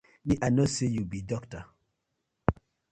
Mi I no say yu bi dokta.